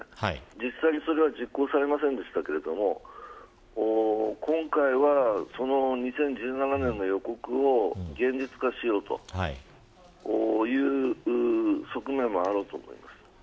実際にそれは実行されませんでしたが今回は、その２０１７年の予告を現実化しようとそういう側面もあると思います。